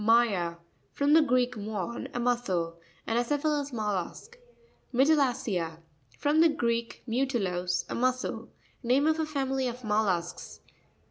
My'a.—From the Greek, muén, a muscle. An acephalous mollusk. Mytiia'cea.—From the Greek, mu tilos, a mussel. Name of a family of mollusks.